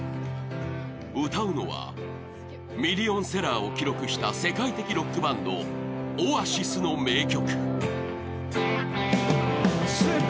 歌うのはミリオンセラーを記録した世界的ロックバンド、Ｏａｓｉｓの名曲。